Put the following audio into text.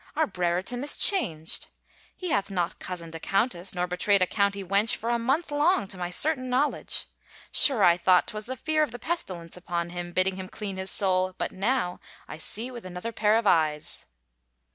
" Our Brereton is changed. He hath not cozened a countess nor betrayed a country wench for a month long to my certain knowl edge. Sure I thought 'twas the fear of the pestilence upon him bidding him clean his soul, but now I see with another pair of eyes."